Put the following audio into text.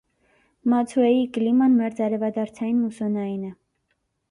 Մացուեի կլիման մերձարևադարձային մուսսոնային է։